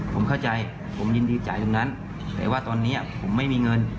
ผมเข้าใจผมยินดีจ่ายตรงนั้นแต่ว่าตอนนี้ผมไม่มีเงิน